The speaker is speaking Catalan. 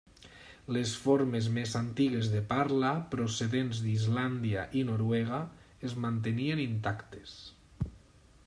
Les formes més antigues de parla, procedents d'Islàndia i Noruega, es mantenien intactes.